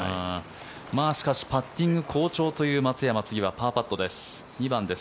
しかしパッティング好調という松山次はパーパットです。